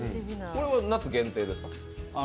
これは夏限定ですか？